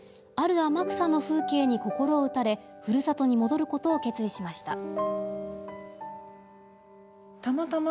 ある天草の風景に心を打たれふるさとに戻ることを決意しました。